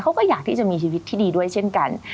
เขาก็อยากที่จะมีชีวิตที่ดีด้วยเช่นกัน